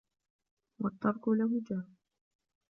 وَالتَّرْكُ لَهُ جَهْلٌ